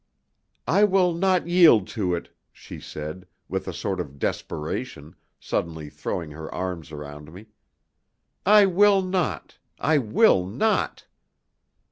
"I will not yield to it," she said, with a sort of desperation, suddenly throwing her arms around me. "I will not I will not!"